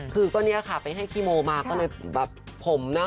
คือก็เนี่ยค่ะไปให้ขี้โมมาก็เลยแบบผมนะ